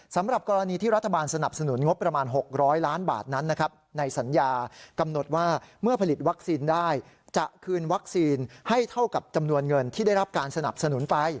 สำหรับกรณีที่รัฐบาลสนับสนุนงบประมาณ๖๐๐ล้านบาทนั้น